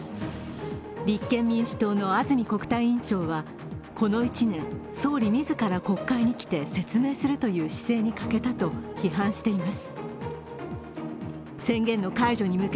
立憲民主党の安住国対委員長はこの１年、総理自ら国会に来て説明するという姿勢に欠けたと批判しています。